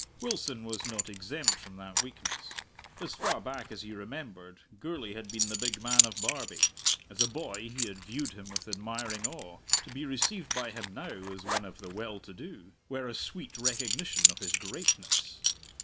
Wilson was not exempt from that weakness. As far back as he remembered Gourlay had been the big man of Barbie; as a boy he had viewed him with admiring awe; to be received by him now, as one of the well to do, were a sweet recognition of his greatness.